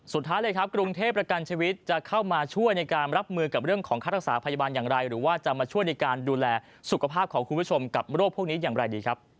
สุดท้ายเลยครับกรุงเทพประกันชีวิตจะเข้ามาช่วยในการรับมือกับเรื่องของค่ารักษาพยาบาลอย่างไรหรือว่าจะมาช่วยในการดูแลสุขภาพของคุณผู้ชมกับโรคพวกนี้อย่างไรดีครับ